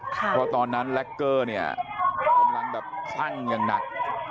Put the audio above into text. เพราะตอนนั้นแล็กเกอร์เนี่ยกำลังแบบคลั่งอย่างหนัก